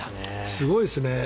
すごいですね。